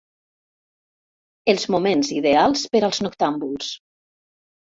Els moments ideals per als noctàmbuls.